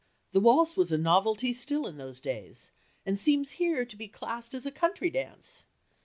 The waltz was a novelty still in those days, and seems here to be classed as a country dance.